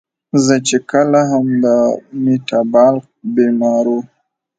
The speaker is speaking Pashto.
زۀ چې کله هم د ميټابالک بيمارو